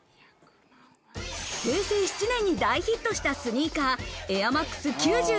平成７年に大ヒットしたスニーカー、エアマックス９５。